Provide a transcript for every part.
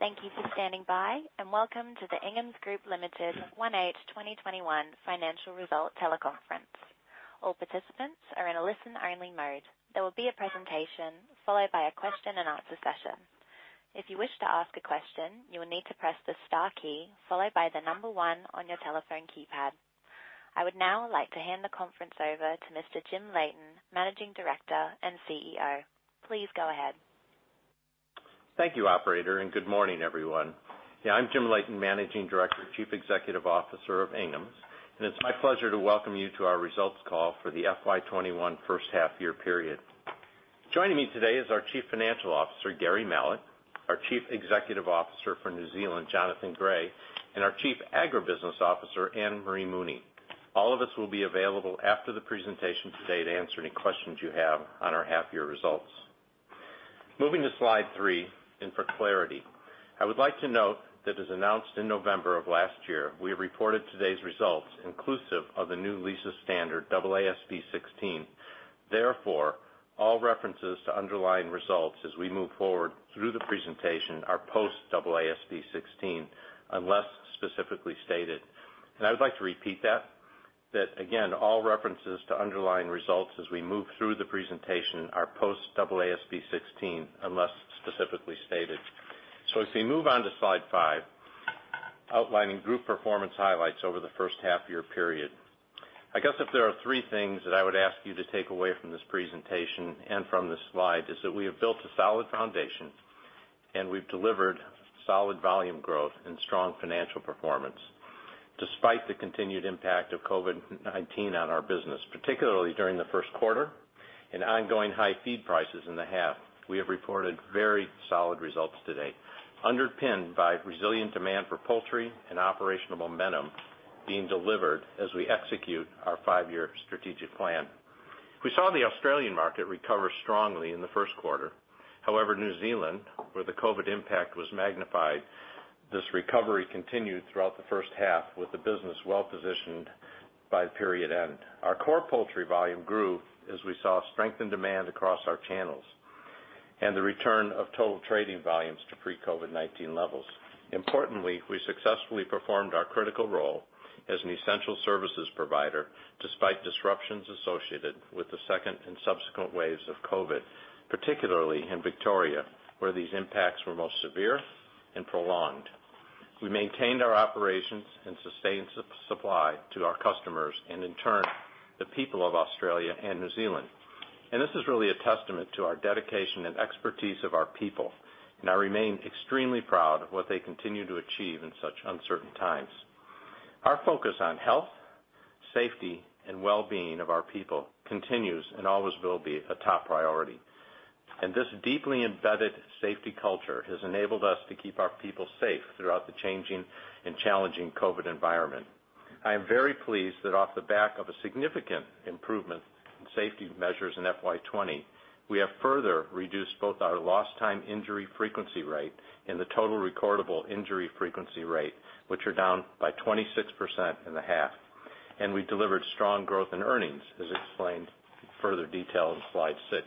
Thank you for standing by, and welcome to the Inghams Group Ltd H1 2021 financial result teleconference. All participants are in a listen-only mode. There will be a presentation followed by a question and answer session. I would now like to hand the conference over to Mr. Jim Leighton, Managing Director and CEO. Please go ahead. Thank you operator, and good morning, everyone. I'm Jim Leighton, Managing Director and Chief Executive Officer of Inghams, and it's my pleasure to welcome you to our results call for the FY 2021 first half-year period. Joining me today is our Chief Financial Officer, Gary Mallett, our Chief Executive Officer for New Zealand, Jonathan Gray, and our Chief Agribusiness Officer, Anne-Marie Mooney. All of us will be available after the presentation today to answer any questions you have on our half-year results. Moving to slide three, and for clarity, I would like to note that as announced in November of last year, we have reported today's results inclusive of the new lease standard AASB 16. Therefore, all references to underlying results as we move forward through the presentation are post AASB 16, unless specifically stated. I would like to repeat that again, all references to underlying results as we move through the presentation are post AASB 16, unless specifically stated. As we move on to slide five, outlining group performance highlights over the first half-year period. I guess if there are three things that I would ask you to take away from this presentation and from this slide is that we have built a solid foundation and we've delivered solid volume growth and strong financial performance despite the continued impact of COVID-19 on our business, particularly during the first quarter and ongoing high feed prices in the half. We have reported very solid results today, underpinned by resilient demand for poultry and operational momentum being delivered as we execute our five-year strategic plan. We saw the Australian market recover strongly in the first quarter. New Zealand, where the COVID impact was magnified, this recovery continued throughout the first half with the business well positioned by period end. Our core poultry volume grew as we saw strengthened demand across our channels and the return of total trading volumes to pre-COVID-19 levels. Importantly, we successfully performed our critical role as an essential services provider despite disruptions associated with the second and subsequent waves of COVID, particularly in Victoria, where these impacts were most severe and prolonged. We maintained our operations and sustained supply to our customers and in turn, the people of Australia and New Zealand. This is really a testament to our dedication and expertise of our people, and I remain extremely proud of what they continue to achieve in such uncertain times. Our focus on health, safety, and wellbeing of our people continues and always will be a top priority. This deeply embedded safety culture has enabled us to keep our people safe throughout the changing and challenging COVID environment. I am very pleased that off the back of a significant improvement in safety measures in FY 2020, we have further reduced both our lost time injury frequency rate and the total recordable injury frequency rate, which are down by 26% in the half, we've delivered strong growth in earnings as explained in further detail in slide six.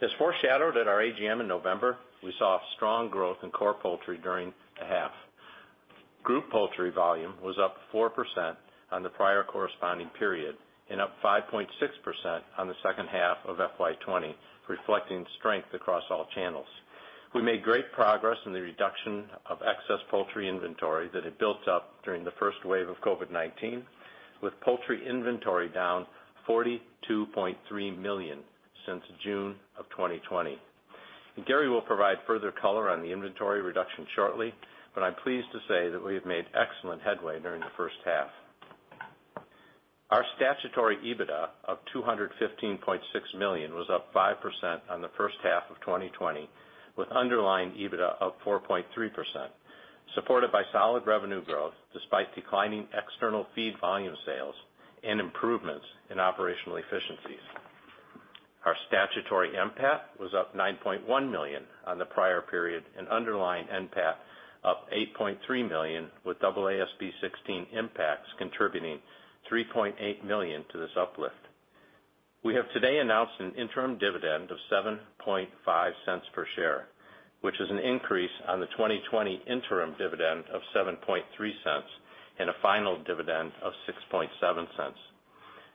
As foreshadowed at our AGM in November, we saw strong growth in core poultry during the half. Group poultry volume was up 4% on the prior corresponding period and up 5.6% on the second half of FY 2020, reflecting strength across all channels. We made great progress in the reduction of excess poultry inventory that had built up during the first wave of COVID-19, with poultry inventory down 42.3 million since June of 2020. Gary will provide further color on the inventory reduction shortly, but I'm pleased to say that we have made excellent headway during the first half. Our statutory EBITDA of 215.6 million was up 5% on the first half of 2020, with underlying EBITDA of 4.3%, supported by solid revenue growth despite declining external feed volume sales and improvements in operational efficiencies. Our statutory NPAT was up 9.1 million on the prior period and underlying NPAT up 8.3 million with AASB 16 impacts contributing 3.8 million to this uplift. We have today announced an interim dividend of 0.075 per share, which is an increase on the 2020 interim dividend of 0.073 and a final dividend of 0.067.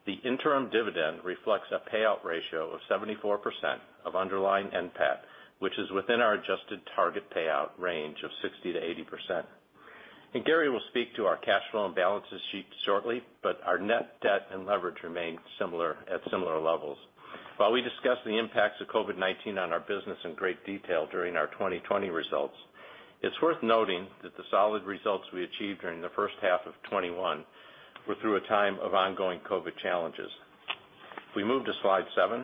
The interim dividend reflects a payout ratio of 74% of underlying NPAT, which is within our adjusted target payout range of 60%-80%. Gary will speak to our cash flow and balance sheet shortly, but our net debt and leverage remain at similar levels. While we discussed the impacts of COVID-19 on our business in great detail during our 2020 results, it is worth noting that the solid results we achieved during the first half of 2021 were through a time of ongoing COVID challenges. If we move to slide seven,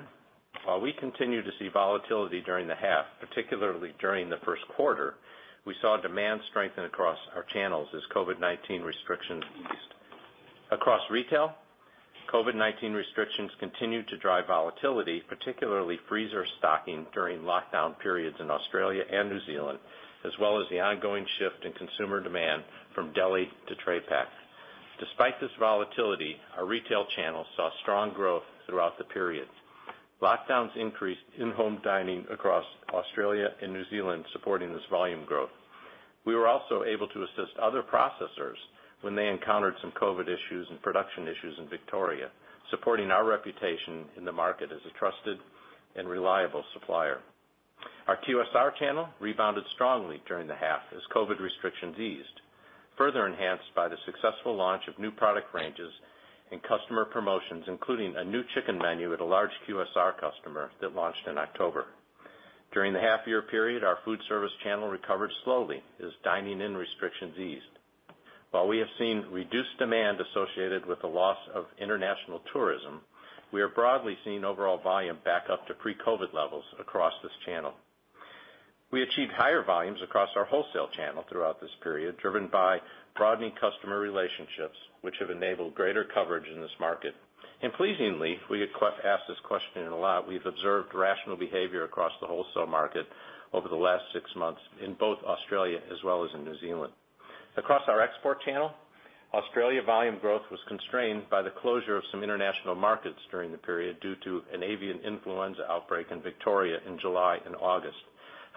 while we continued to see volatility during the half, particularly during the first quarter, we saw demand strengthen across our channels as COVID-19 restrictions eased. Across retail, COVID-19 restrictions continued to drive volatility, particularly freezer stocking during lockdown periods in Australia and New Zealand, as well as the ongoing shift in consumer demand from deli to tray pack. Despite this volatility, our retail channel saw strong growth throughout the period. Lockdowns increased in-home dining across Australia and New Zealand, supporting this volume growth. We were also able to assist other processors when they encountered some COVID issues and production issues in Victoria, supporting our reputation in the market as a trusted and reliable supplier. Our QSR channel rebounded strongly during the half as COVID restrictions eased, further enhanced by the successful launch of new product ranges and customer promotions, including a new chicken menu at a large QSR customer that launched in October. During the half-year period, our food service channel recovered slowly as dining-in restrictions eased. We have seen reduced demand associated with the loss of international tourism, we are broadly seeing overall volume back up to pre-COVID levels across this channel. We achieved higher volumes across our wholesale channel throughout this period, driven by broadening customer relationships, which have enabled greater coverage in this market. Pleasingly, we get asked this question a lot, we've observed rational behavior across the wholesale market over the last 6 months in both Australia as well as in New Zealand. Across our export channel, Australia volume growth was constrained by the closure of some international markets during the period due to an avian influenza outbreak in Victoria in July and August.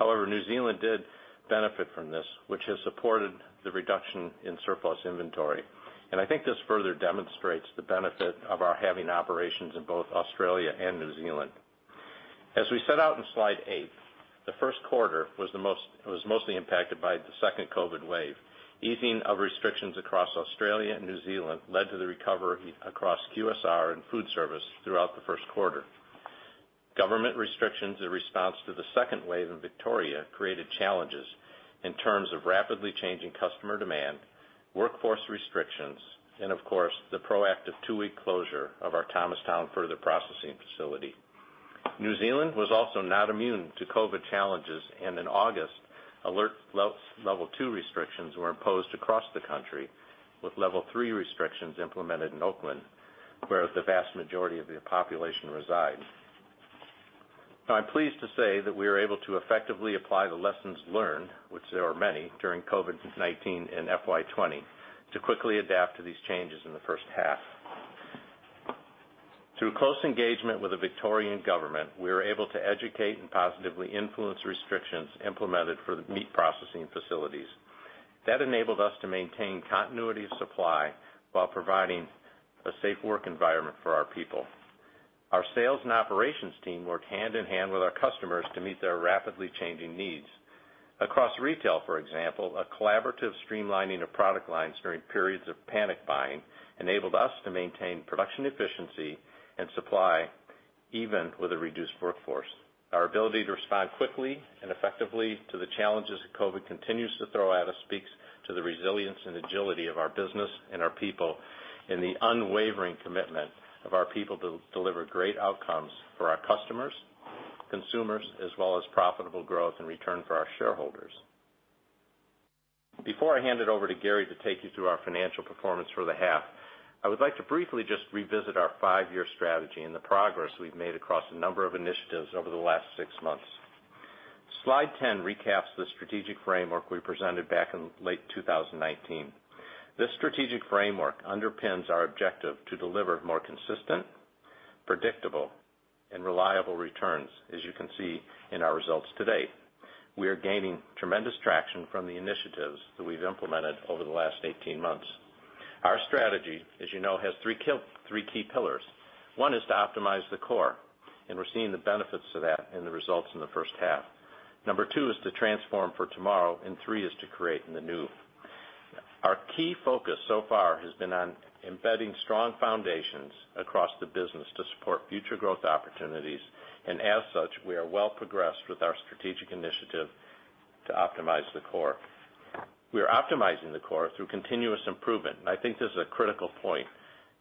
New Zealand did benefit from this, which has supported the reduction in surplus inventory. I think this further demonstrates the benefit of our having operations in both Australia and New Zealand. As we set out in slide eight, the first quarter was mostly impacted by the second COVID-19 wave. Easing of restrictions across Australia and New Zealand led to the recovery across QSR and food service throughout the first quarter. Government restrictions in response to the second wave in Victoria created challenges in terms of rapidly changing customer demand, workforce restrictions, and of course, the proactive two-week closure of our Thomastown further processing facility. New Zealand was also not immune to COVID-19 challenges, and in August, alert level 2 restrictions were imposed across the country, with level 3 restrictions implemented in Auckland, where the vast majority of the population reside. I'm pleased to say that we were able to effectively apply the lessons learned, which there are many, during COVID-19 in FY 2020, to quickly adapt to these changes in the first half. Through close engagement with the Victorian government, we were able to educate and positively influence restrictions implemented for the meat processing facilities. That enabled us to maintain continuity of supply while providing a safe work environment for our people. Our sales and operations team worked hand in hand with our customers to meet their rapidly changing needs. Across retail, for example, a collaborative streamlining of product lines during periods of panic buying enabled us to maintain production efficiency and supply, even with a reduced workforce. Our ability to respond quickly and effectively to the challenges that COVID continues to throw at us speaks to the resilience and agility of our business and our people, and the unwavering commitment of our people to deliver great outcomes for our customers, consumers, as well as profitable growth and return for our shareholders. Before I hand it over to Gary to take you through our financial performance for the half, I would like to briefly just revisit our five-year strategy and the progress we've made across a number of initiatives over the last six months. Slide 10 recaps the strategic framework we presented back in late 2019. This strategic framework underpins our objective to deliver more consistent, predictable, and reliable returns, as you can see in our results to date. We are gaining tremendous traction from the initiatives that we've implemented over the last 18 months. Our strategy, as you know, has three key pillars. One is to optimize the core, and we're seeing the benefits of that in the results in the first half. Number two is to transform for tomorrow, and three is to create in the new. Our key focus so far has been on embedding strong foundations across the business to support future growth opportunities. As such, we are well progressed with our strategic initiative to optimize the core. We are optimizing the core through continuous improvement, and I think this is a critical point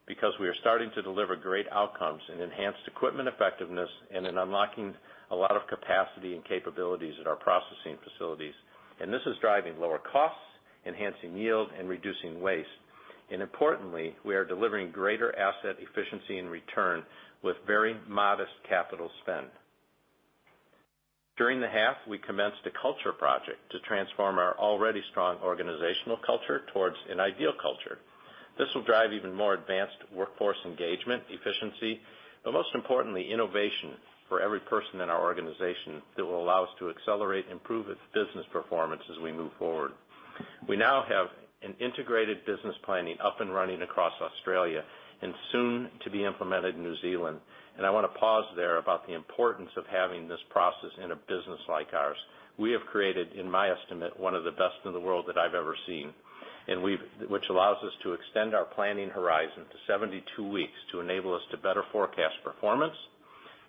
because we are starting to deliver great outcomes in enhanced equipment effectiveness and in unlocking a lot of capacity and capabilities at our processing facilities. This is driving lower costs, enhancing yield, and reducing waste. Importantly, we are delivering greater asset efficiency and return with very modest capital spend. During the half, we commenced a culture project to transform our already strong organizational culture towards an ideal culture. This will drive even more advanced workforce engagement, efficiency, but most importantly, innovation for every person in our organization that will allow us to accelerate and improve its business performance as we move forward. We now have an integrated business planning up and running across Australia and soon to be implemented in New Zealand. I want to pause there about the importance of having this process in a business like ours. We have created, in my estimate, one of the best in the world that I've ever seen. Which allows us to extend our planning horizon to 72 weeks to enable us to better forecast performance,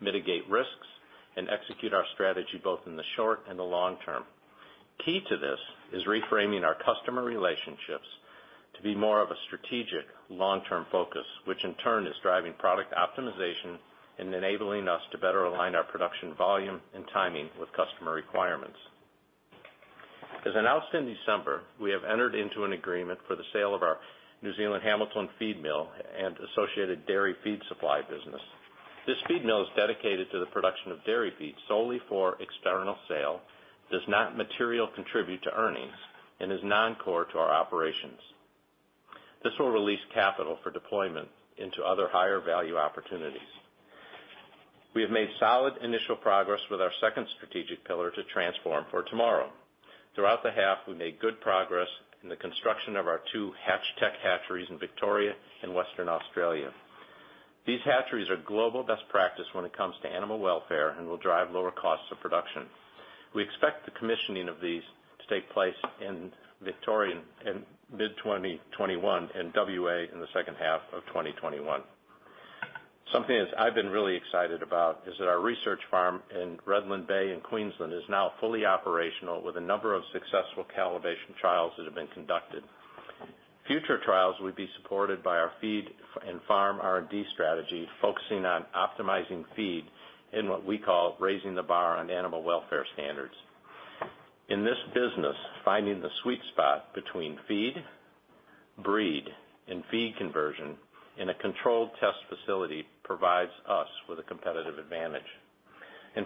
mitigate risks, and execute our strategy both in the short and the long term. Key to this is reframing our customer relationships to be more of a strategic long-term focus, which in turn is driving product optimization and enabling us to better align our production volume and timing with customer requirements. As announced in December, we have entered into an agreement for the sale of our New Zealand Hamilton feed mill and associated dairy feed supply business. This feed mill is dedicated to the production of dairy feeds solely for external sale, does not materially contribute to earnings, and is non-core to our operations. This will release capital for deployment into other higher value opportunities. We have made solid initial progress with our second strategic pillar to transform for tomorrow. Throughout the half, we made good progress in the construction of our two HatchTech hatcheries in Victoria and Western Australia. These hatcheries are global best practice when it comes to animal welfare and will drive lower costs of production. We expect the commissioning of these to take place in Victoria in mid-2021 and WA in the second half of 2021. Something that I've been really excited about is that our research farm in Redland Bay in Queensland is now fully operational with a number of successful calibration trials that have been conducted. Future trials will be supported by our feed and farm R&D strategy, focusing on optimizing feed in what we call raising the bar on animal welfare standards. In this business, finding the sweet spot between feed, breed, and feed conversion in a controlled test facility provides us with a competitive advantage.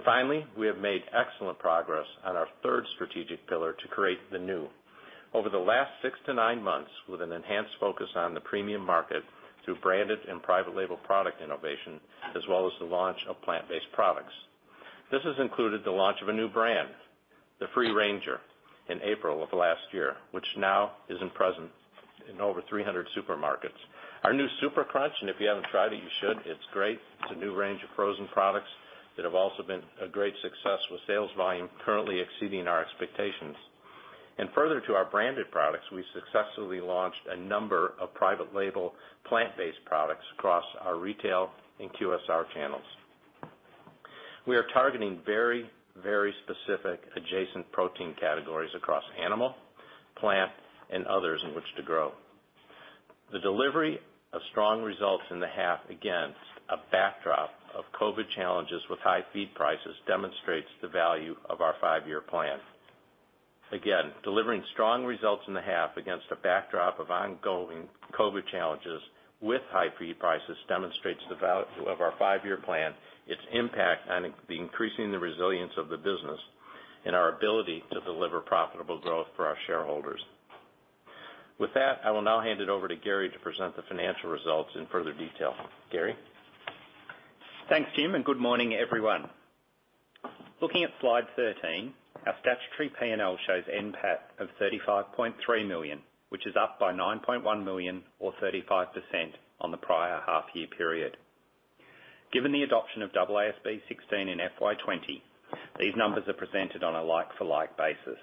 Finally, we have made excellent progress on our third strategic pillar to create the new. Over the last six to nine months, with an enhanced focus on the premium market through branded and private label product innovation, as well as the launch of plant-based products. This has included the launch of a new brand, The Free Ranger, in April of last year, which now is present in over 300 supermarkets. Our new Super Crunch, and if you haven't tried it, you should. It's great. It's a new range of frozen products that have also been a great success, with sales volume currently exceeding our expectations. Further to our branded products, we successfully launched a number of private label plant-based products across our retail and QSR channels. We are targeting very specific adjacent protein categories across animal, plant, and others in which to grow. The delivery of strong results in the half against a backdrop of COVID challenges with high feed prices demonstrates the value of our five-year plan. Delivering strong results in the half against a backdrop of ongoing COVID challenges with high feed prices demonstrates the value of our five-year plan, its impact on increasing the resilience of the business, and our ability to deliver profitable growth for our shareholders. With that, I will now hand it over to Gary to present the financial results in further detail. Gary? Thanks, Jim. Good morning, everyone. Looking at slide 13, our statutory P&L shows NPAT of 35.3 million, which is up by 9.1 million or 35% on the prior half year period. Given the adoption of AASB 16 in FY20, these numbers are presented on a like for like basis.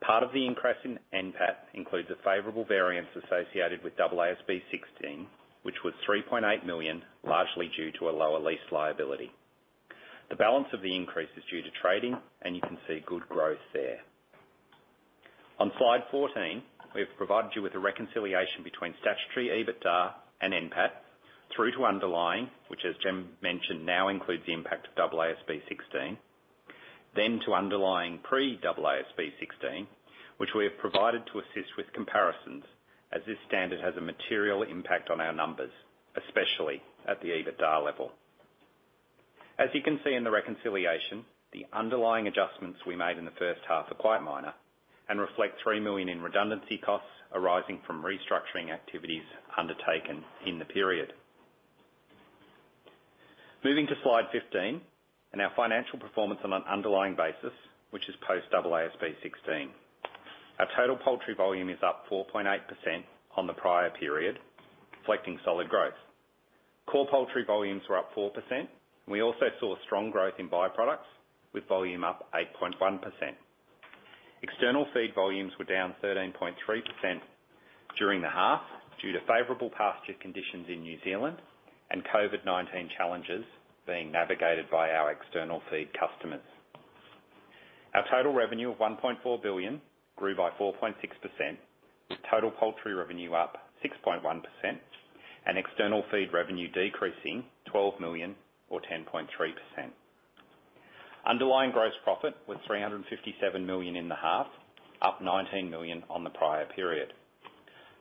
Part of the increase in NPAT includes a favorable variance associated with AASB 16, which was 3.8 million, largely due to a lower lease liability. The balance of the increase is due to trading, and you can see good growth there. On slide 14, we've provided you with a reconciliation between statutory EBITDA and NPAT through to underlying, which as Jim mentioned, now includes the impact of AASB 16, then to underlying pre-AASB 16, which we have provided to assist with comparisons as this standard has a material impact on our numbers, especially at the EBITDA level. As you can see in the reconciliation, the underlying adjustments we made in the first half are quite minor and reflect 3 million in redundancy costs arising from restructuring activities undertaken in the period. Moving to slide 15 and our financial performance on an underlying basis, which is post AASB 16. Our total poultry volume is up 4.8% on the prior period, reflecting solid growth. Core poultry volumes were up 4%, and we also saw strong growth in byproducts, with volume up 8.1%. External feed volumes were down 13.3% during the half due to favorable pasture conditions in New Zealand and COVID-19 challenges being navigated by our external feed customers. Our total revenue of AUD 1.4 billion grew by 4.6%, with total poultry revenue up 6.1% and external feed revenue decreasing 12 million or 10.3%. Underlying gross profit was 357 million in the half, up 19 million on the prior period.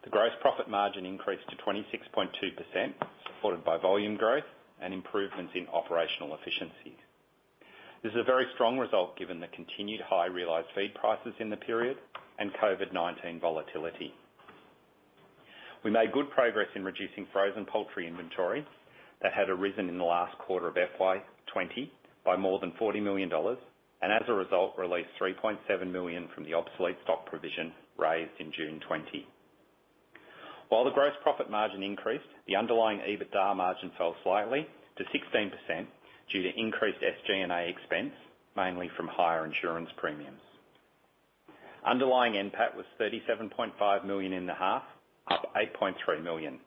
The gross profit margin increased to 26.2%, supported by volume growth and improvements in operational efficiencies. This is a very strong result given the continued high realized feed prices in the period and COVID-19 volatility. We made good progress in reducing frozen poultry inventory that had arisen in the last quarter of FY 2020 by more than 40 million dollars, and as a result, released 3.7 million from the obsolete stock provision raised in June 2020. While the gross profit margin increased, the underlying EBITDA margin fell slightly to 16% due to increased SG&A expense, mainly from higher insurance premiums. Underlying NPAT was 37.5 million in the half, up 8.3 million.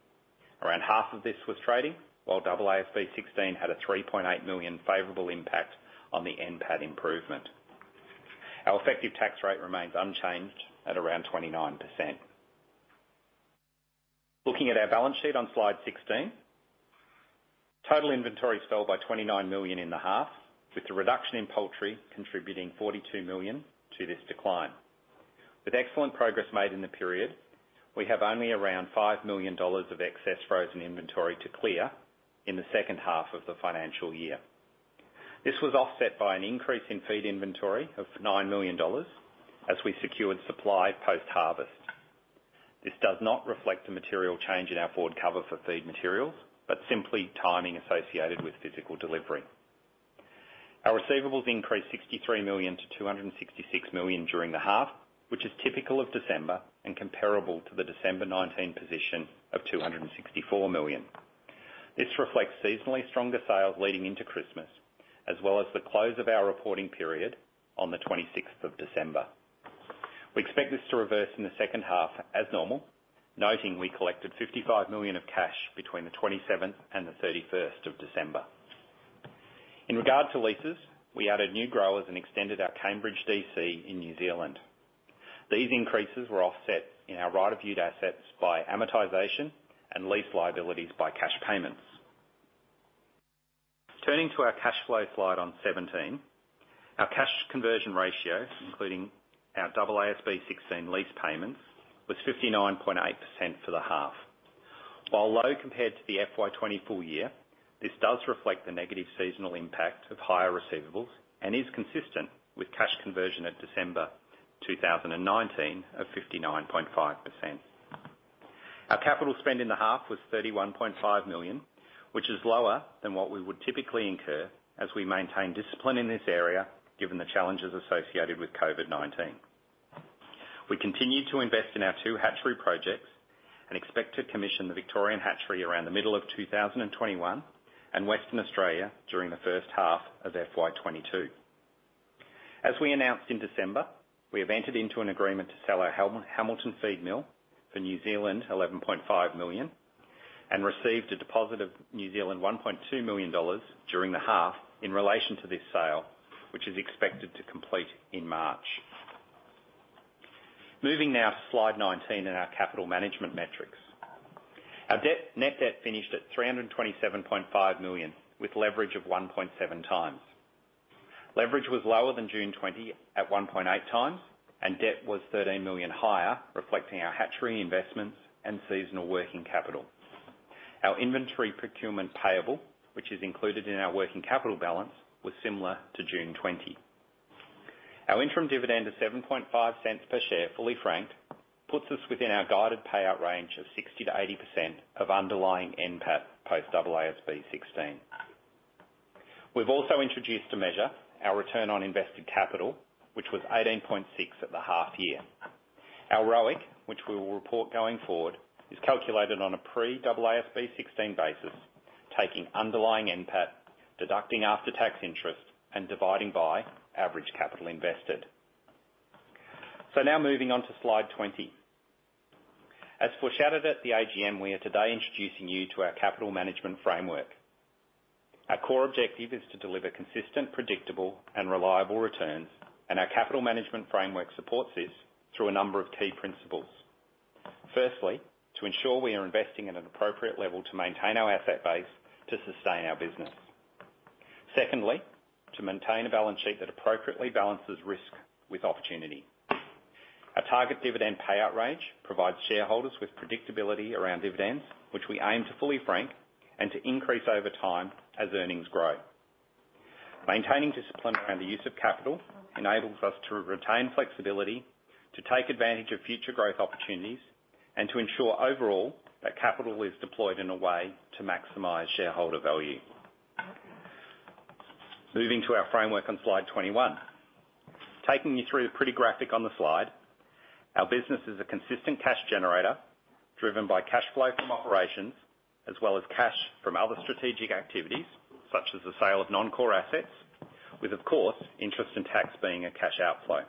Around half of this was trading, while AASB 16 had a 3.8 million favorable impact on the NPAT improvement. Our effective tax rate remains unchanged at around 29%. Looking at our balance sheet on slide 16, total inventory fell by 29 million in the half, with the reduction in poultry contributing 42 million to this decline. With excellent progress made in the period, we have only around 5 million dollars of excess frozen inventory to clear in the second half of the financial year. This was offset by an increase in feed inventory of 9 million dollars as we secured supply post-harvest. This does not reflect a material change in our forward cover for feed materials, but simply timing associated with physical delivery. Our receivables increased 63 million to 266 million during the half, which is typical of December, and comparable to the December 2019 position of 264 million. This reflects seasonally stronger sales leading into Christmas, as well as the close of our reporting period on the 26th of December. We expect this to reverse in the second half as normal, noting we collected 55 million of cash between the 27th and the 31st of December. In regard to leases, we added new growers and extended our Cambridge DC in New Zealand. These increases were offset in our right of use assets by amortization and lease liabilities by cash payments. Turning to our cash flow slide on 17, our cash conversion ratio, including our AASB 16 lease payments, was 59.8% for the half. While low compared to the FY 2020 full year, this does reflect the negative seasonal impact of higher receivables and is consistent with cash conversion at December 2019 of 59.5%. Our capital spend in the half was 31.5 million, which is lower than what we would typically incur as we maintain discipline in this area, given the challenges associated with COVID-19. We continued to invest in our two hatchery projects and expect to commission the Victorian hatchery around the middle of 2021 and Western Australia during the first half of FY 2022. As we announced in December, we have entered into an agreement to sell our Hamilton feed mill for 11.5 million and received a deposit of 1.2 million dollars during the half in relation to this sale, which is expected to complete in March. Moving now to slide 19 and our capital management metrics. Our net debt finished at 327.5 million, with leverage of 1.7x. Leverage was lower than June 2020 at 1.8x, and debt was 13 million higher, reflecting our hatchery investments and seasonal working capital. Our inventory procurement payable, which is included in our working capital balance, was similar to June 2020. Our interim dividend of 0.075 per share, fully franked, puts us within our guided payout range of 60%-80% of underlying NPAT post AASB 16. We've also introduced a measure, our return on invested capital, which was 18.6% at the half year. Our ROIC, which we will report going forward, is calculated on a pre-AASB 16 basis, taking underlying NPAT, deducting after-tax interest, and dividing by average capital invested. Now moving on to slide 20. As foreshadowed at the AGM, we are today introducing you to our capital management framework. Our core objective is to deliver consistent, predictable, and reliable returns. Our capital management framework supports this through a number of key principles. Firstly, to ensure we are investing at an appropriate level to maintain our asset base to sustain our business. Secondly, to maintain a balance sheet that appropriately balances risk with opportunity. Our target dividend payout range provides shareholders with predictability around dividends, which we aim to fully frank and to increase over time as earnings grow. Maintaining discipline around the use of capital enables us to retain flexibility, to take advantage of future growth opportunities, and to ensure overall that capital is deployed in a way to maximize shareholder value. Moving to our framework on slide 21. Taking you through the pretty graphic on the slide, our business is a consistent cash generator, driven by cash flow from operations, as well as cash from other strategic activities, such as the sale of non-core assets, with, of course, interest and tax being a cash outflow.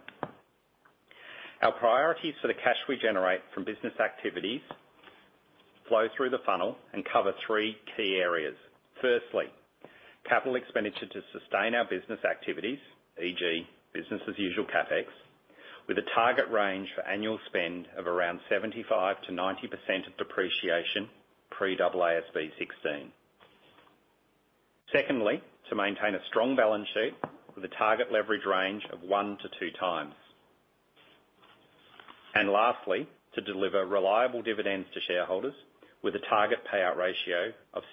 Our priorities for the cash we generate from business activities flow through the funnel and cover three key areas. Firstly, capital expenditure to sustain our business activities, e.g., business as usual CapEx, with a target range for annual spend of around 75%-90% of depreciation pre-AASB 16. Secondly, to maintain a strong balance sheet with a target leverage range of one to two times. Lastly, to deliver reliable dividends to shareholders with a target payout ratio of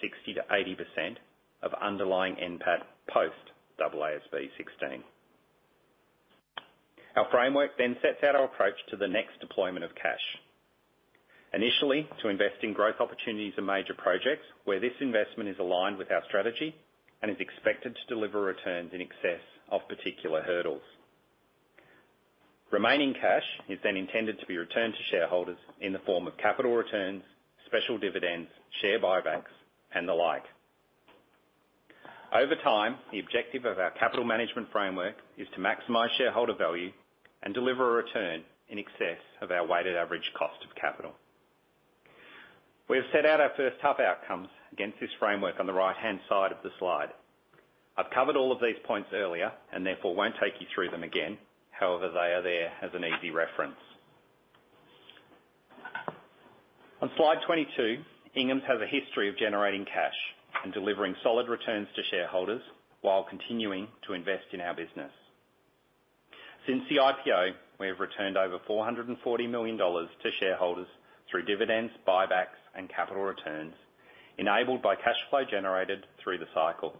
60%-80% of underlying NPAT post AASB 16. Our framework then sets out our approach to the next deployment of cash. Initially, to invest in growth opportunities and major projects where this investment is aligned with our strategy and is expected to deliver returns in excess of particular hurdles. Remaining cash is then intended to be returned to shareholders in the form of capital returns, special dividends, share buybacks, and the like. Over time, the objective of our capital management framework is to maximize shareholder value and deliver a return in excess of our weighted average cost of capital. We have set out our first half outcomes against this framework on the right-hand side of the slide. I've covered all of these points earlier and therefore won't take you through them again. However, they are there as an easy reference. On slide 22, Inghams has a history of generating cash and delivering solid returns to shareholders while continuing to invest in our business. Since the IPO, we have returned over 440 million dollars to shareholders through dividends, buybacks, and capital returns, enabled by cash flow generated through the cycle.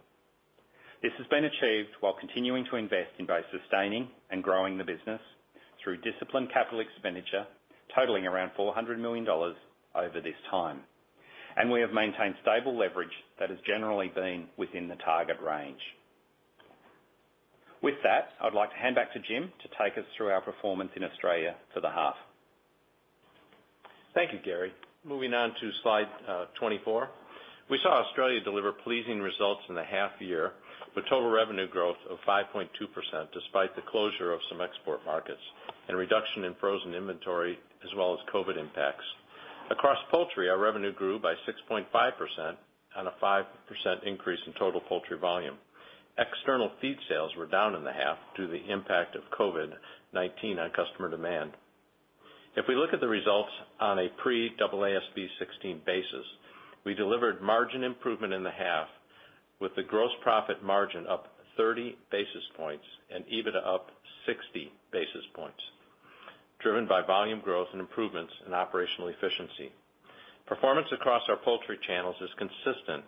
This has been achieved while continuing to invest in both sustaining and growing the business through disciplined capital expenditure totaling around 400 million dollars over this time, and we have maintained stable leverage that has generally been within the target range. With that, I'd like to hand back to Jim to take us through our performance in Australia for the half. Thank you, Gary. Moving on to slide 24. We saw Australia deliver pleasing results in the half year, with total revenue growth of 5.2%, despite the closure of some export markets and reduction in frozen inventory, as well as COVID impacts. Across poultry, our revenue grew by 6.5% on a 5% increase in total poultry volume. External feed sales were down in the half due to the impact of COVID-19 on customer demand. If we look at the results on a pre-AASB 16 basis, we delivered margin improvement in the half, with the gross profit margin up 30 basis points and EBITDA up 60 basis points, driven by volume growth and improvements in operational efficiency. Performance across our poultry channels is consistent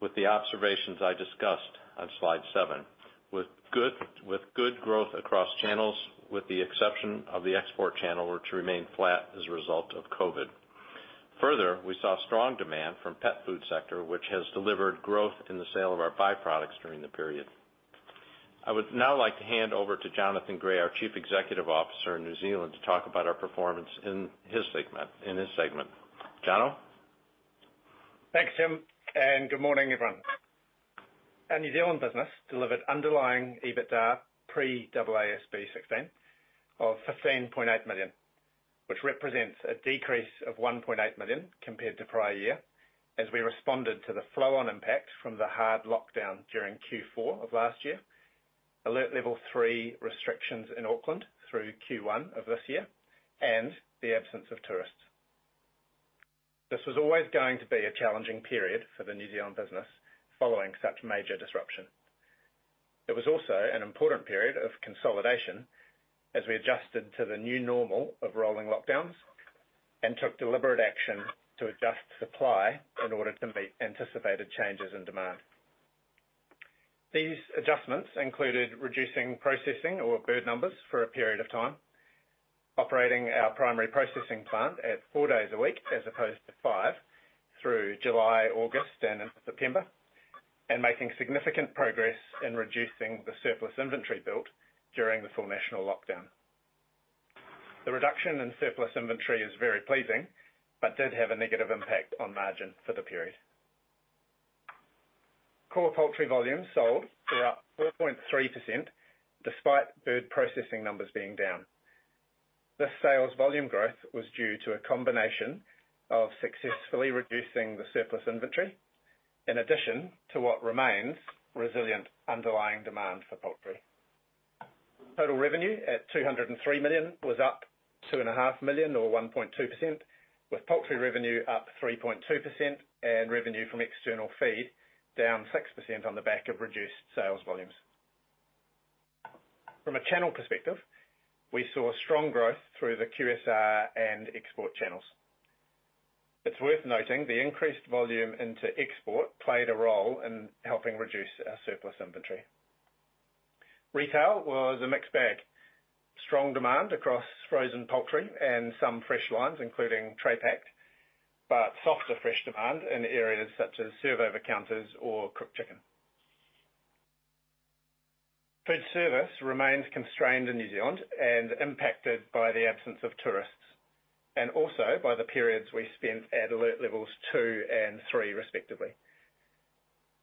with the observations I discussed on slide seven, with good growth across channels, with the exception of the export channel, which remained flat as a result of COVID. Further, we saw strong demand from pet food sector, which has delivered growth in the sale of our by-products during the period. I would now like to hand over to Jonathan Gray, our Chief Executive Officer in New Zealand, to talk about our performance in his segment. Jona? Thanks, Jim. Good morning, everyone. Our New Zealand business delivered underlying EBITDA, pre- AASB 16, of 15.8 million, which represents a decrease of 1.8 million compared to prior year, as we responded to the flow-on impact from the hard lockdown during Q4 of last year, alert level 3 restrictions in Auckland through Q1 of this year, the absence of tourists. This was always going to be a challenging period for the New Zealand business following such major disruption. It was also an important period of consolidation as we adjusted to the new normal of rolling lockdowns and took deliberate action to adjust supply in order to meet anticipated changes in demand. These adjustments included reducing processing or bird numbers for a period of time, operating our primary processing plant at four days a week as opposed to five through July, August, and September, and making significant progress in reducing the surplus inventory built during the full national lockdown. The reduction in surplus inventory is very pleasing but did have a negative impact on margin for the period. Core poultry volumes sold were up 4.3%, despite bird processing numbers being down. This sales volume growth was due to a combination of successfully reducing the surplus inventory, in addition to what remains resilient underlying demand for poultry. Total revenue at 203 million was up 2.5 million or 1.2%, with poultry revenue up 3.2% and revenue from external feed down 6% on the back of reduced sales volumes. From a channel perspective, we saw strong growth through the QSR and export channels. It's worth noting the increased volume into export played a role in helping reduce our surplus inventory. Retail was a mixed bag. Strong demand across frozen poultry and some fresh lines, including tray packed, but softer fresh demand in areas such as serve over counters or cooked chicken. Food service remains constrained in New Zealand and impacted by the absence of tourists, and also by the periods we spent at alert levels 2 and 3, respectively.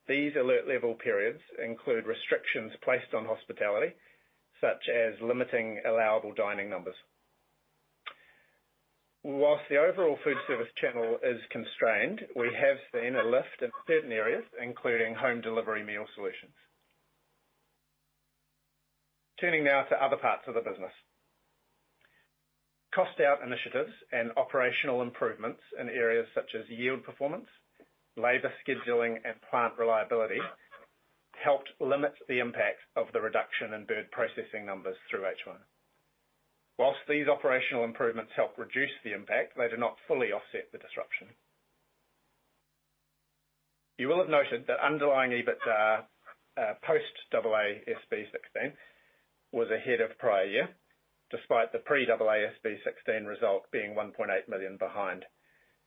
These alert level periods include restrictions placed on hospitality, such as limiting allowable dining numbers. Whilst the overall food service channel is constrained, we have seen a lift in certain areas, including home delivery meal solutions. Turning now to other parts of the business. Cost out initiatives and operational improvements in areas such as yield performance, labor scheduling, and plant reliability helped limit the impact of the reduction in bird processing numbers through H1. Whilst these operational improvements helped reduce the impact, they did not fully offset the disruption. You will have noted that underlying EBITDA post AASB 16 was ahead of prior year, despite the pre-AASB 16 result being 1.8 million behind.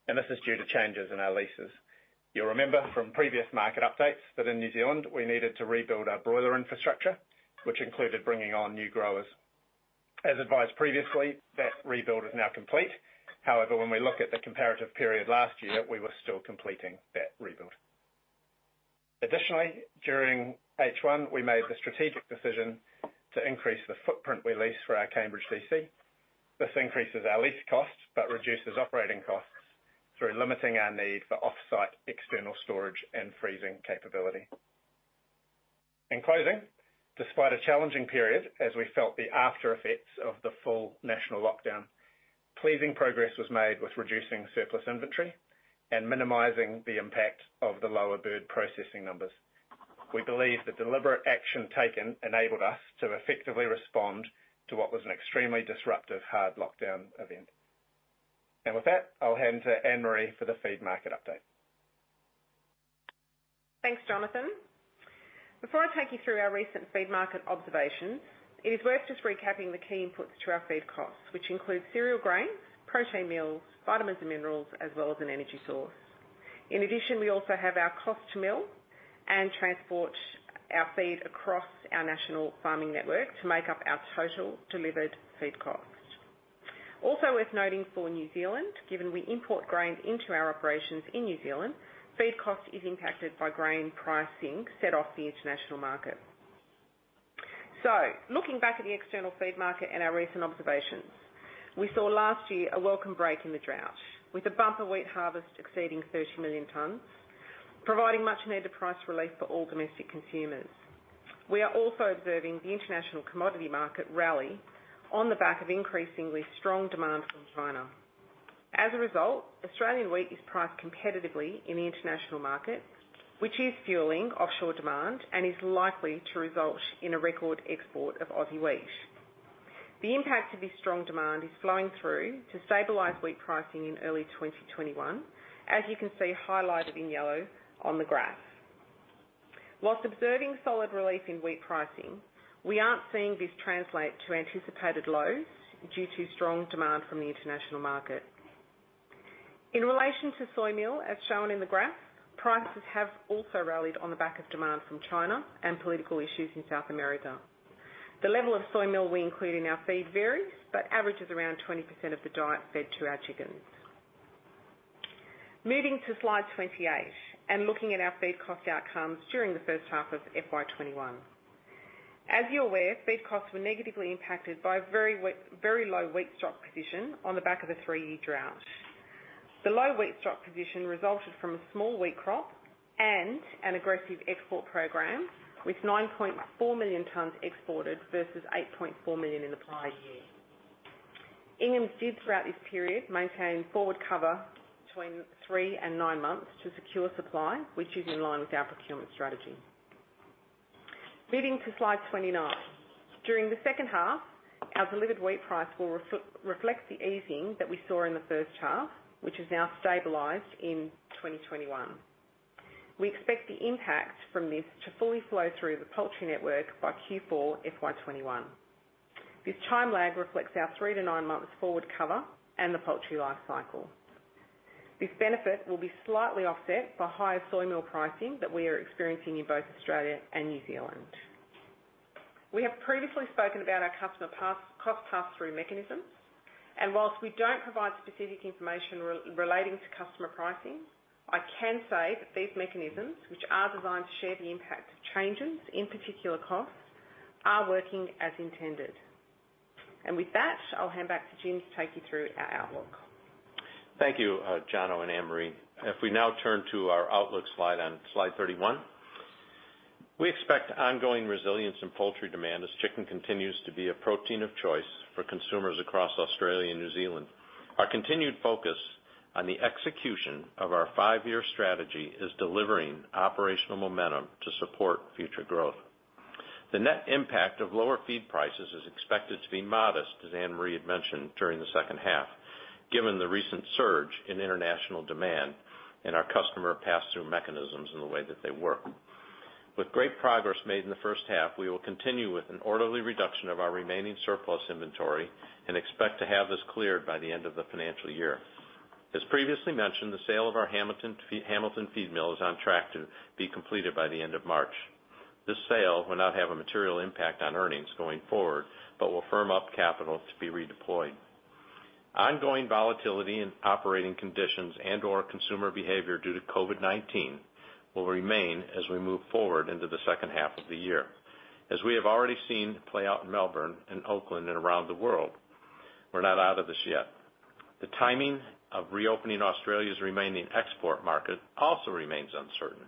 This is due to changes in our leases. You'll remember from previous market updates that in New Zealand we needed to rebuild our broiler infrastructure, which included bringing on new growers. As advised previously, that rebuild is now complete. However, when we look at the comparative period last year, we were still completing that rebuild. Additionally, during H1, we made the strategic decision to increase the footprint we lease for our Cambridge DC. This increases our lease costs but reduces operating costs through limiting our need for off-site external storage and freezing capability. In closing, despite a challenging period as we felt the aftereffects of the full national lockdown, pleasing progress was made with reducing surplus inventory and minimizing the impact of the lower bird processing numbers. We believe the deliberate action taken enabled us to effectively respond to what was an extremely disruptive, hard lockdown event. With that, I'll hand to Anne-Marie for the feed market update. Thanks, Jonathan. Before I take you through our recent feed market observations, it is worth just recapping the key inputs to our feed costs, which include cereal grains, protein meals, vitamins and minerals, as well as an energy source. In addition, we also have our cost to mill and transport our feed across our national farming network to make up our total delivered feed cost. Also worth noting for New Zealand, given we import grains into our operations in New Zealand, feed cost is impacted by grain pricing set off the international market. Looking back at the external feed market and our recent observations, we saw last year a welcome break in the drought, with a bumper wheat harvest exceeding 30 million tons, providing much-needed price relief for all domestic consumers. We are also observing the international commodity market rally on the back of increasingly strong demand from China. As a result, Australian wheat is priced competitively in the international market, which is fueling offshore demand and is likely to result in a record export of Aussie wheat. The impact of this strong demand is flowing through to stabilize wheat pricing in early 2021, as you can see highlighted in yellow on the graph. While observing solid relief in wheat pricing, we aren't seeing this translate to anticipated lows due to strong demand from the international market. In relation to soy meal, as shown in the graph, prices have also rallied on the back of demand from China and political issues in South America. The level of soy meal we include in our feed varies, but averages around 20% of the diet fed to our chickens. Moving to slide 28 and looking at our feed cost outcomes during the first half of FY 2021. As you're aware, feed costs were negatively impacted by very low wheat stock position on the back of a 3-year drought. The low wheat stock position resulted from a small wheat crop and an aggressive export program, with 9.4 million tons exported versus 8.4 million in the prior year. Inghams did, throughout this period, maintain forward cover between 3 and 9 months to secure supply, which is in line with our procurement strategy. Moving to slide 29. During the second half, our delivered wheat price will reflect the easing that we saw in the first half, which has now stabilized in 2021. We expect the impact from this to fully flow through the poultry network by Q4 FY 2021. This time lag reflects our 3 to 9 months forward cover and the poultry life cycle. This benefit will be slightly offset by higher soy meal pricing that we are experiencing in both Australia and New Zealand. We have previously spoken about our cost pass-through mechanisms, and whilst we don't provide specific information relating to customer pricing, I can say that these mechanisms, which are designed to share the impact of changes in particular costs, are working as intended. With that, I'll hand back to Jim to take you through our outlook. Thank you, Jona and Anne-Marie. If we now turn to our outlook slide on slide 31, we expect ongoing resilience in poultry demand as chicken continues to be a protein of choice for consumers across Australia and New Zealand. Our continued focus on the execution of our five-year strategy is delivering operational momentum to support future growth. The net impact of lower feed prices is expected to be modest, as Anne-Marie had mentioned, during the second half, given the recent surge in international demand and our customer pass-through mechanisms and the way that they work. With great progress made in the first half, we will continue with an orderly reduction of our remaining surplus inventory and expect to have this cleared by the end of the financial year. As previously mentioned, the sale of our Hamilton feed mill is on track to be completed by the end of March. This sale will not have a material impact on earnings going forward, but will firm up capital to be redeployed. Ongoing volatility in operating conditions and/or consumer behavior due to COVID-19 will remain as we move forward into the second half of the year. As we have already seen play out in Melbourne and Auckland and around the world, we're not out of this yet. The timing of re-opening Australia's remaining export market also remains uncertain,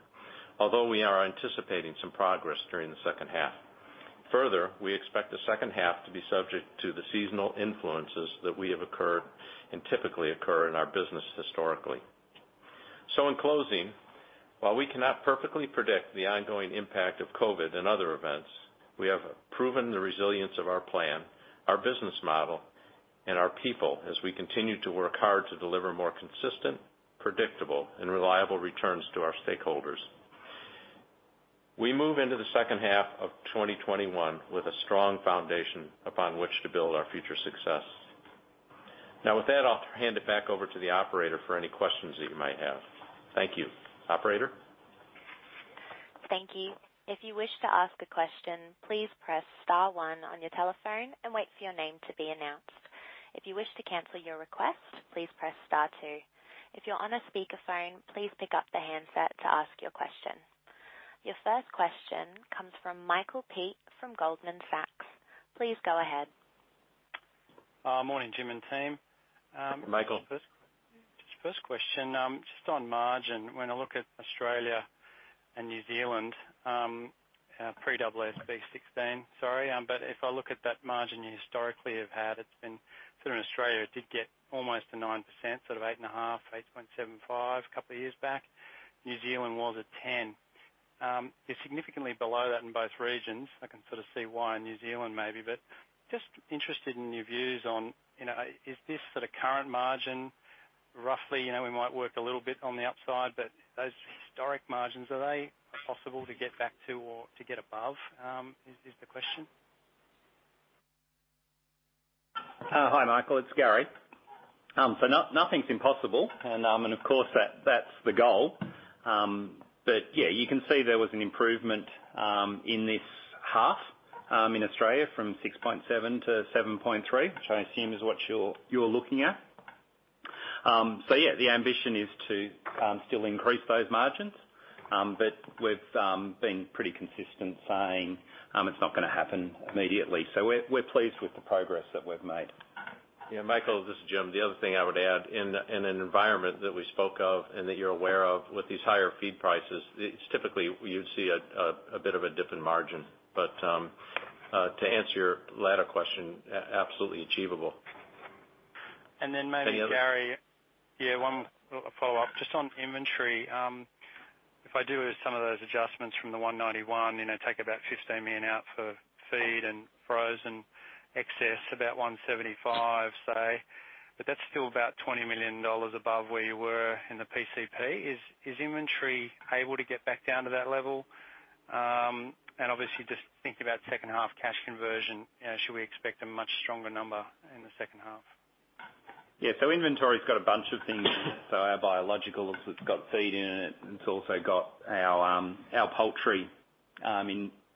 although we are anticipating some progress during the second half. We expect the second half to be subject to the seasonal influences that typically occur in our business historically. In closing, while we cannot perfectly predict the ongoing impact of COVID and other events, we have proven the resilience of our plan, our business model, and our people as we continue to work hard to deliver more consistent, predictable, and reliable returns to our stakeholders. We move into the second half of 2021 with a strong foundation upon which to build our future success. Now, with that, I'll hand it back over to the operator for any questions that you might have. Thank you. Operator? Thank you. If you wish to ask a question, please press star one on your telephone and wait for your name to be announced. If you wish to cancel your request, please press star two. If you're on a speakerphone, please pick up the handset to ask your question. Your first question comes from Michael Peet from Goldman Sachs. Please go ahead. Morning, Jim and team. Michael. First question, just on margin. When I look at Australia and New Zealand, pre-AASB 16, sorry, if I look at that margin you historically have had, it's been, sort of in Australia, it did get almost to 9%, sort of 8.5%, 8.75% a couple of years back. New Zealand was at 10%. You're significantly below that in both regions. I can sort of see why in New Zealand maybe, just interested in your views on, is this sort of current margin, roughly, we might work a little bit on the upside, but those historic margins, are they possible to get back to or to get above? It's the question. Hi, Michael. It's Gary. Nothing's impossible and, of course, that's the goal. Yeah, you can see there was an improvement in this half in Australia from 6.7%-7.3%, which I assume is what you're looking at. Yeah, the ambition is to still increase those margins, but we've been pretty consistent saying it's not going to happen immediately. We're pleased with the progress that we've made. Yeah, Michael, this is Jim. The other thing I would add, in an environment that we spoke of and that you're aware of, with these higher feed prices, it is typically you'd see a bit of a dip in margin. To answer your latter question, absolutely achievable. Maybe, Gary. Any other- One follow-up just on inventory. If I do some of those adjustments from the 191, take about 15 million out for feed and frozen excess, about 175, say, but that's still about 20 million dollars above where you were in the PCP. Is inventory able to get back down to that level? And obviously just thinking about second half cash conversion, should we expect a much stronger number in the second half? Yeah. Inventory's got a bunch of things. Our biologicals, it's got feed in it. It's also got our poultry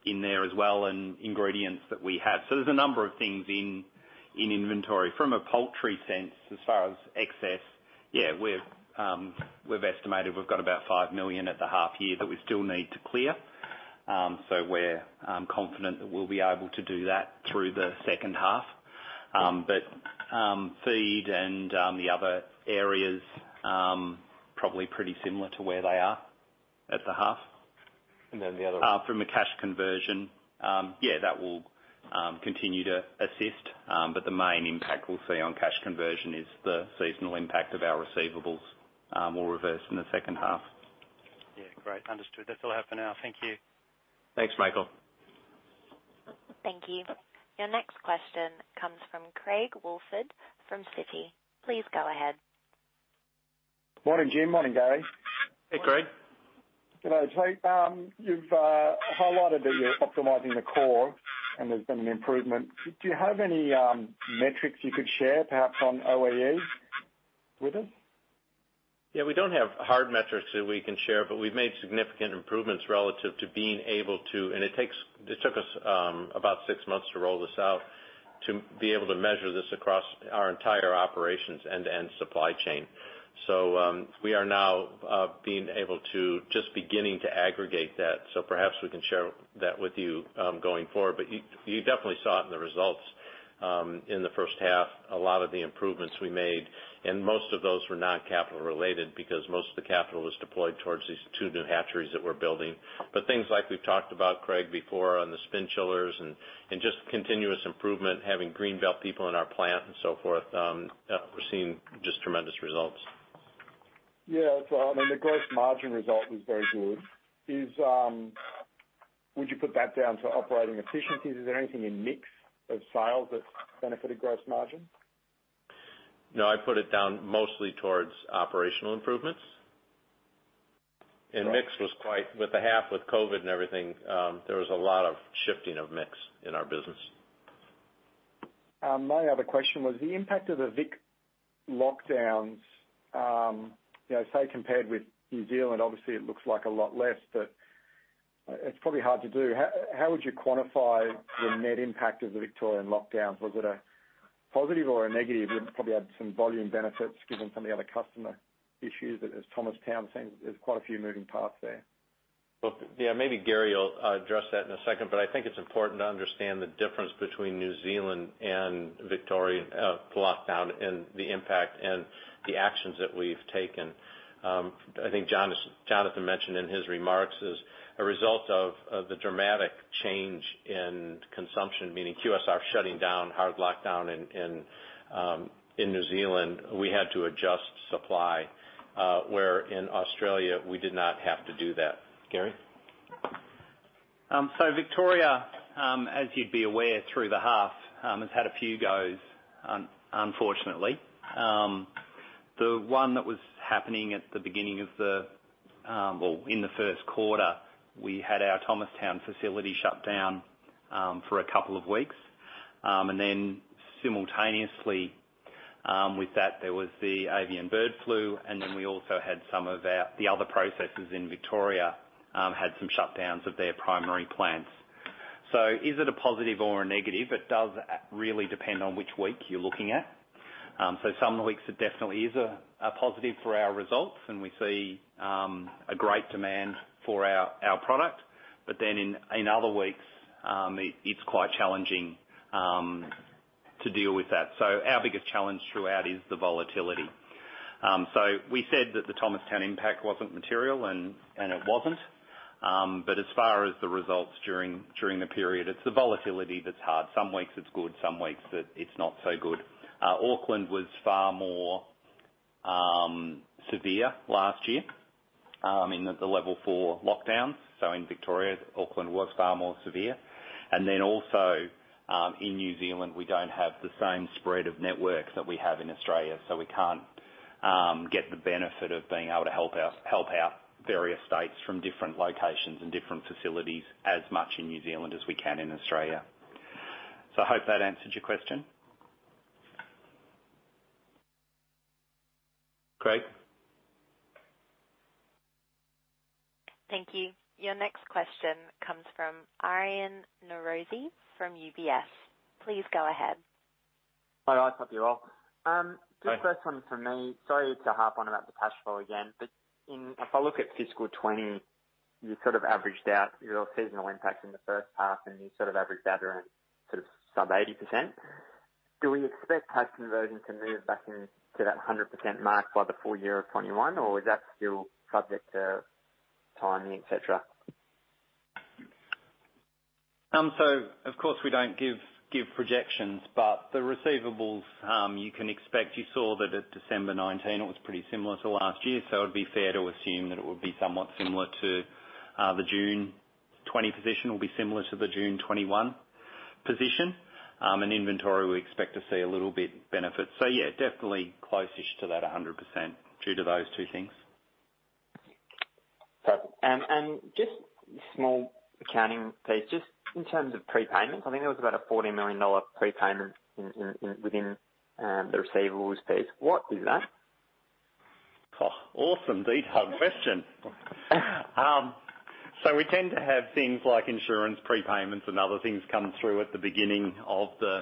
in there as well and ingredients that we have. There's a number of things in inventory. From a poultry sense, as far as excess, yeah, we've estimated we've got about 5 million at the half year that we still need to clear. We're confident that we'll be able to do that through the second half. Feed and the other areas, probably pretty similar to where they are at the half. The other one. From a cash conversion, yeah, that will continue to assist. The main impact we'll see on cash conversion is the seasonal impact of our receivables will reverse in the second half. Yeah. Great. Understood. That's all I have for now. Thank you. Thanks, Michael. Thank you. Your next question comes from Craig Woolford from Citi. Please go ahead. Morning, Jim. Morning, Gary. Hey, Craig. Good day to you. You've highlighted that you're optimizing the core and there's been an improvement. Do you have any metrics you could share, perhaps, on OEE with us? Yeah, we don't have hard metrics that we can share, but we've made significant improvements relative to being able to. It took us about 6 months to roll this out, to be able to measure this across our entire operations end-to-end supply chain. We are now being able to, just beginning to aggregate that, perhaps we can share that with you going forward. You definitely saw it in the results in the first half, a lot of the improvements we made, and most of those were not capital related because most of the capital was deployed towards these two new hatcheries that we're building. Things like we've talked about, Craig, before, on the spin chillers and just continuous improvement, having Green Belt people in our plant and so forth, we're seeing just tremendous results. Yeah. The gross margin result is very good. Would you put that down to operating efficiencies? Is there anything in mix of sales that's benefited gross margin? No, I'd put it down mostly towards operational improvements. Right. Mix was quite, with the half, with COVID and everything, there was a lot of shifting of mix in our business. My other question was the impact of the Vic lockdowns, say compared with New Zealand, obviously, it looks like a lot less, but it's probably hard to do. How would you quantify the net impact of the Victorian lockdowns? Was it a positive or a negative? You probably had some volume benefits given some of the other customer issues, as Thomastown saying, there's quite a few moving parts there. Yeah, maybe Gary will address that in a second, but I think it's important to understand the difference between New Zealand and Victorian lockdown and the impact and the actions that we've taken. I think Jonathan mentioned in his remarks, as a result of the dramatic change in consumption, meaning QSR shutting down, hard lockdown in New Zealand, we had to adjust supply, where in Australia, we did not have to do that. Gary? Victoria, as you'd be aware through the half, has had a few goes, unfortunately. The one that was happening at the beginning of the, or in the first quarter, we had our Thomastown facility shut down for a couple of weeks. Simultaneously, with that, there was the avian influenza, and then we also had some of our, the other processors in Victoria had some shutdowns of their primary plants. Is it a positive or a negative? It does really depend on which week you're looking at. Some weeks it definitely is a positive for our results, and we see a great demand for our product. In other weeks, it's quite challenging to deal with that. Our biggest challenge throughout is the volatility. We said that the Thomastown impact wasn't material and it wasn't. As far as the results during the period, it's the volatility that's hard. Some weeks it's good, some weeks it's not so good. Auckland was far more severe last year in the level 4 lockdowns. In Victoria, Auckland was far more severe. Also, in New Zealand, we don't have the same spread of networks that we have in Australia, so we can't get the benefit of being able to help out various states from different locations and different facilities as much in New Zealand as we can in Australia. I hope that answered your question. Craig? Thank you. Your next question comes from Aryan Norozi from UBS. Please go ahead. Hi. Thanks for your call. Hi. Just first one from me. Sorry to harp on about the cash flow again, but if I look at FY 2020, you averaged out your seasonal impact in the first half, and you averaged that around sub 80%. Do we expect cash conversion to move back into that 100% mark by the full year of FY 2021, or is that still subject to timing, et cetera? Of course we don't give projections, but the receivables, you can expect, you saw that at December 2019, it was pretty similar to last year. It would be fair to assume that it would be somewhat similar to the June 2020 position will be similar to the June 2021 position. In inventory, we expect to see a little bit benefit. Yeah, definitely close-ish to that 100% due to those two things. Perfect. Just small accounting piece, just in terms of prepayments, I think there was about an AUD 40 million prepayment within the receivables piece. What is that? Awesome detail question. We tend to have things like insurance prepayments and other things come through at the beginning of the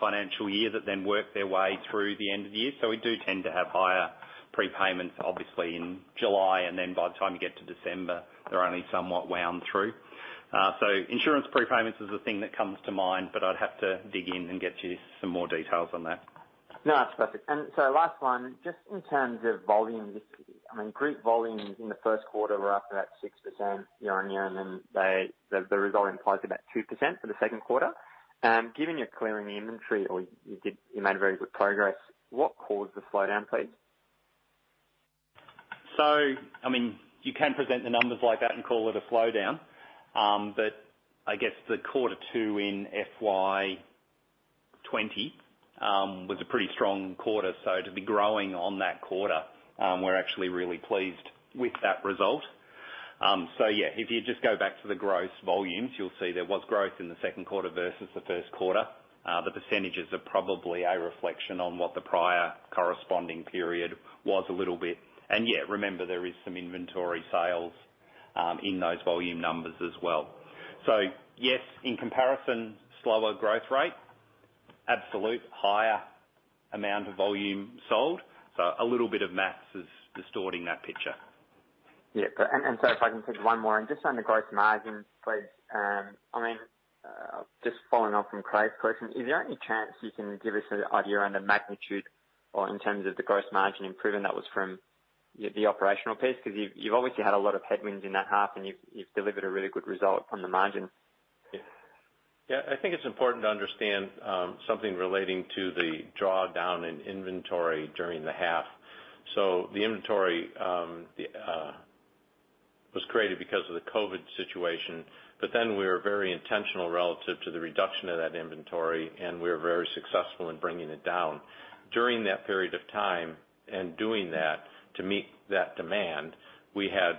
financial year that then work their way through the end of the year. We do tend to have higher prepayments, obviously, in July, and then by the time you get to December, they're only somewhat wound through. Insurance prepayments is the thing that comes to mind, but I'd have to dig in and get you some more details on that. No, that's perfect. Last one, just in terms of volume, I mean, group volumes in the first quarter were up about 6% year-on-year, and then the result implies about 2% for the second quarter. Given you're clearing the inventory or you made very good progress. What caused the slowdown, please? You can present the numbers like that and call it a slowdown. I guess the quarter two in FY 2020 was a pretty strong quarter. To be growing on that quarter, we're actually really pleased with that result. Yeah, if you just go back to the gross volumes, you'll see there was growth in the second quarter versus the first quarter. The percentages are probably a reflection on what the prior corresponding period was a little bit. Yeah, remember, there is some inventory sales in those volume numbers as well. Yes, in comparison, slower growth rate, absolute higher amount of volume sold. A little bit of maths is distorting that picture. Yeah. If I can take one more, just on the gross margin, please. Just following on from Craig's question, is there any chance you can give us an idea on the magnitude or in terms of the gross margin improvement that was from the operational piece? You've obviously had a lot of headwinds in that half and you've delivered a really good result on the margin. Yeah. I think it's important to understand something relating to the drawdown in inventory during the half. The inventory was created because of the COVID situation, but then we were very intentional relative to the reduction of that inventory, and we were very successful in bringing it down. During that period of time and doing that to meet that demand, we had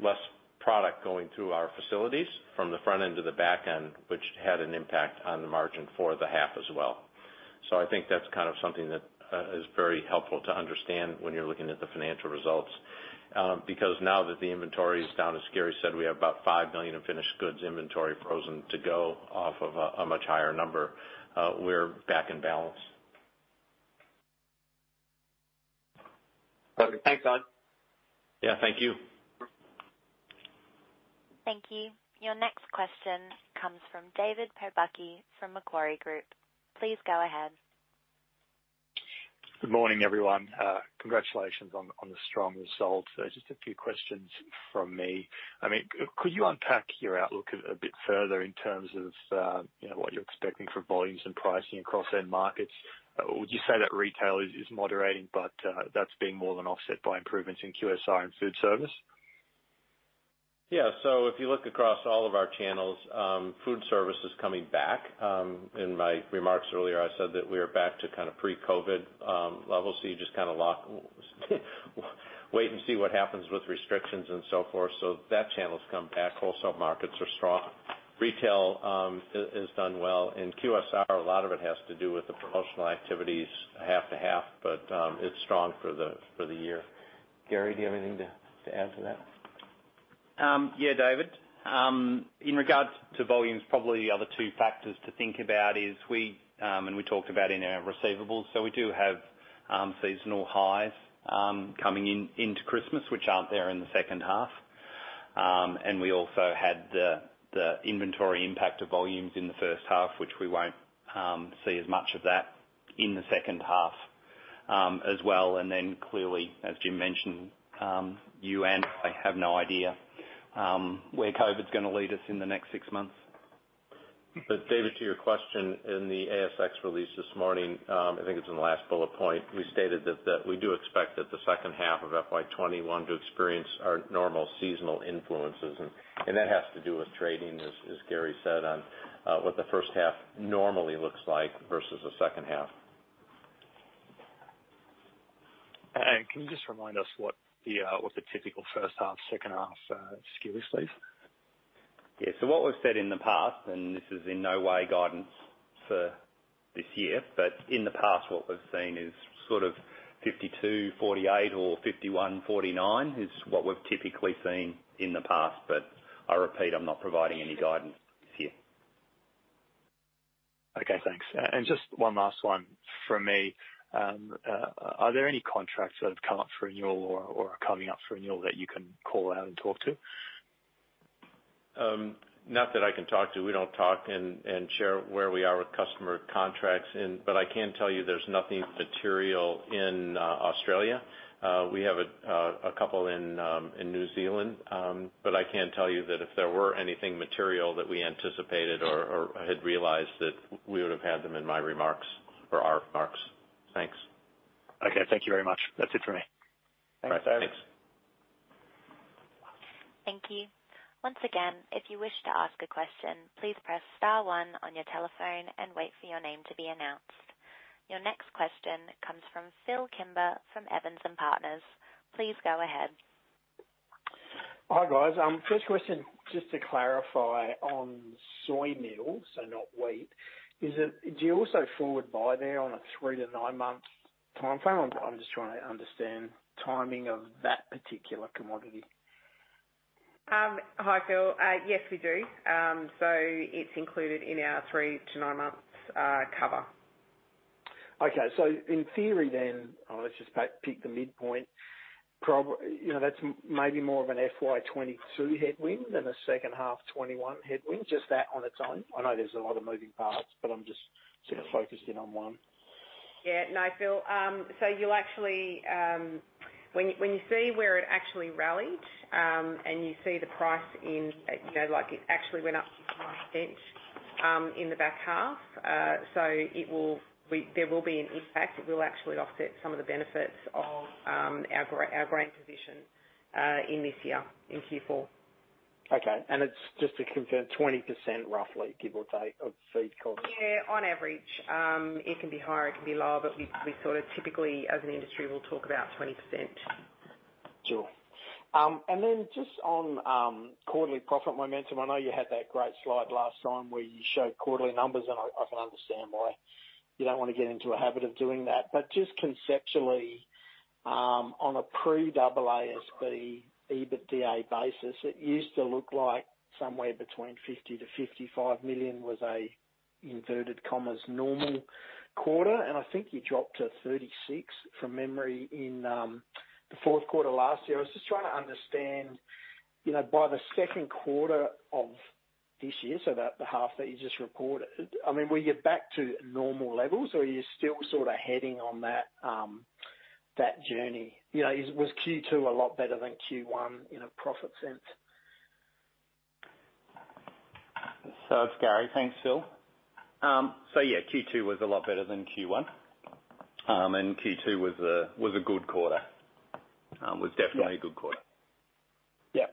less product going through our facilities from the front end to the back end, which had an impact on the margin for the half as well. I think that's something that is very helpful to understand when you're looking at the financial results. Now that the inventory is down, as Gary said, we have about 5 million in finished goods inventory frozen to go off of a much higher number. We're back in balance. Perfect. Thanks, Jim. Yeah. Thank you. Thank you. Your next question comes from David Pobucky from Macquarie Group. Please go ahead. Good morning, everyone. Congratulations on the strong results. Just a few questions from me. Could you unpack your outlook a bit further in terms of what you're expecting for volumes and pricing across end markets? Would you say that retail is moderating, but that's being more than offset by improvements in QSR and food service? Yeah. If you look across all of our channels, food service is coming back. In my remarks earlier, I said that we are back to pre-COVID levels. You just lock wait and see what happens with restrictions and so forth. That channel's come back. Wholesale markets are strong. Retail has done well. In QSR, a lot of it has to do with the promotional activities half-to-half, but it's strong for the year. Gary, do you have anything to add to that? Yeah, David. In regards to volumes, probably the other two factors to think about is, and we talked about in our receivables, we do have seasonal highs coming into Christmas, which aren't there in the second half. We also had the inventory impact of volumes in the first half, which we won't see as much of that in the second half as well. Clearly, as Jim mentioned, you and I have no idea where COVID's gonna lead us in the next six months. David, to your question, in the ASX release this morning, I think it's in the last bullet point, we stated that we do expect that the second half of FY 2021 to experience our normal seasonal influences and that has to do with trading, as Gary said, on what the first half normally looks like versus the second half. Can you just remind us what the typical first half, second half skew is, please? What we've said in the past, and this is in no way guidance for this year, but in the past what we've seen is sort of 52/48 or 51/49, is what we've typically seen in the past. I repeat, I'm not providing any guidance this year. Okay, thanks. Just one last one from me. Are there any contracts that have come up for renewal or are coming up for renewal that you can call out and talk to? Not that I can talk to. We don't talk and share where we are with customer contracts. I can tell you there's nothing material in Australia. We have a couple in New Zealand. I can tell you that if there were anything material that we anticipated or had realized, that we would've had them in my remarks or our remarks. Thanks. Okay, thank you very much. That's it from me. All right, thanks. Thanks. Thank you. Once again, if you wish to ask a question, please press star 1 on your telephone and wait for your name to be announced. Your next question comes from Phillip Kimber from E&P Financial Group. Please go ahead. Hi, guys. First question, just to clarify on soy meal, so not wheat, do you also forward buy there on a three to nine-month timeframe? I'm just trying to understand timing of that particular commodity. Hi, Phil. Yes, we do. It's included in our three to nine months cover. Okay. In theory then, let's just pick the midpoint, that's maybe more of an FY 2022 headwind than a second half 2021 headwind, just that on its own? I know there's a lot of moving parts, I'm just sort of focused in on one. No, Phil. When you see where it actually rallied, and you see the price, it actually went up 20% in the back half, so there will be an impact. It will actually offset some of the benefits of our grain position in this year in Q4. Okay. It's, just to confirm, 20% roughly, give or take, of feed costs? Yeah, on average. It can be higher, it can be lower, but we sort of typically, as an industry, will talk about 20%. Sure. Just on quarterly profit momentum, I know you had that great slide last time where you showed quarterly numbers and I can understand why you don't want to get into a habit of doing that, but just conceptually, on a pre-AASB 16 EBITDA basis, it used to look like somewhere between 50 million to 55 million was a, inverted commas, "normal quarter." I think you dropped to 36 million, from memory, in the fourth quarter last year. I was just trying to understand by the second quarter of this year, so the half that you just reported, were you back to normal levels or are you still sort of heading on that journey? Was Q2 a lot better than Q1 in a profit sense? It's Gary. Thanks, Phil. Yeah, Q2 was a lot better than Q1. Q2 was a good quarter. Was definitely a good quarter. Yeah.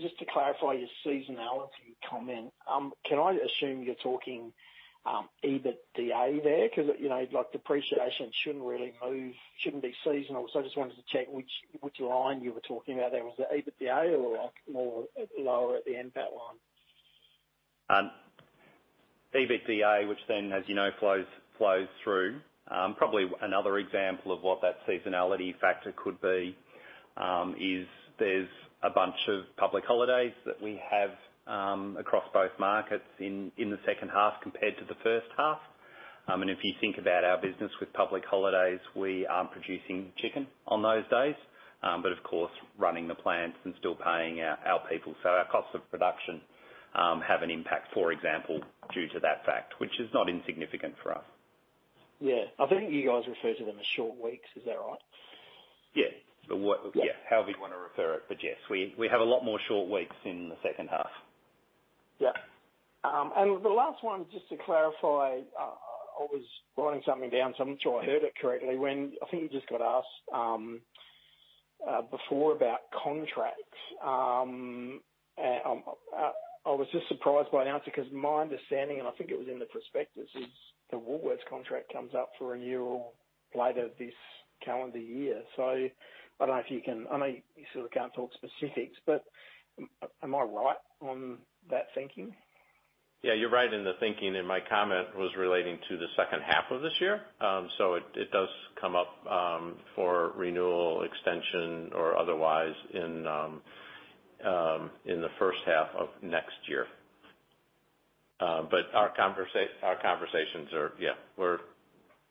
Just to clarify your seasonality comment, can I assume you're talking EBITDA there? Depreciation shouldn't really move, shouldn't be seasonal. I just wanted to check which line you were talking about there. Was it EBITDA or more lower at the NPAT line? EBITDA, which, as you know, flows through. Probably another example of what that seasonality factor could be is there's a bunch of public holidays that we have across both markets in the second half compared to the first half. If you think about our business with public holidays, we aren't producing chicken on those days. Of course, running the plants and still paying our people. Our cost of production have an impact, for example, due to that fact, which is not insignificant for us. Yeah. I think you guys refer to them as short weeks. Is that right? Yeah. However you want to refer it. Yes, we have a lot more short weeks in the second half. Yeah. The last one, just to clarify, I was writing something down, so I'm not sure I heard it correctly. When I think you just got asked before about contracts, I was just surprised by the answer because my understanding, and I think it was in the prospectus, is the Woolworths contract comes up for renewal later this calendar year. I don't know if you can I know you sort of can't talk specifics, but am I right on that thinking? Yeah, you're right in the thinking, and my comment was relating to the second half of this year. It does come up for renewal, extension or otherwise in the first half of next year. Our conversations are, yeah,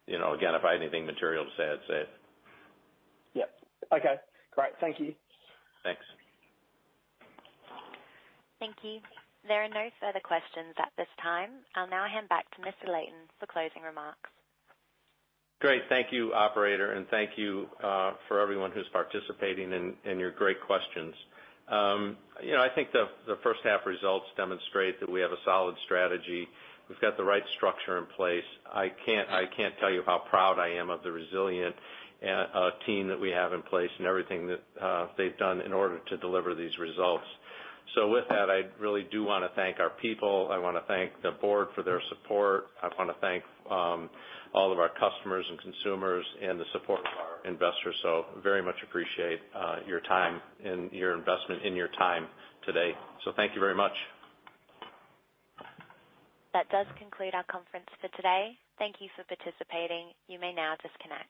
again, if I had anything material to say, I'd say it. Yeah. Okay, great. Thank you. Thanks. Thank you. There are no further questions at this time. I'll now hand back to Mr. Leighton for closing remarks. Great. Thank you, operator, and thank you for everyone who's participating and your great questions. I think the first half results demonstrate that we have a solid strategy. We've got the right structure in place. I can't tell you how proud I am of the resilient team that we have in place and everything that they've done in order to deliver these results. With that, I really do want to thank our people. I want to thank the board for their support. I want to thank all of our customers and consumers, and the support of our investors. Very much appreciate your time and your investment and your time today. Thank you very much. That does conclude our conference for today. Thank you for participating. You may now disconnect.